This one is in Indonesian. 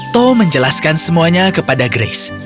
toh menjelaskan semuanya kepada grace